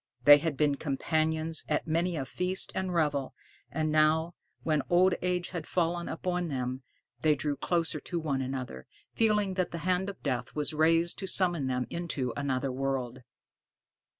They had been companions at many a feast and revel; and now, when old age had fallen upon them, they drew closer to one another, feeling that the hand of death was raised to summon them into another world.